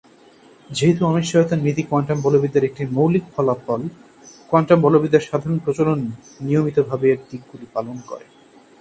যেহেতু অনিশ্চয়তার নীতি কোয়ান্টাম বলবিদ্যার একটি মৌলিক ফলাফল, কোয়ান্টাম বলবিদ্যার সাধারণ প্রচলন নিয়মিতভাবে এর দিকগুলি পালন করে।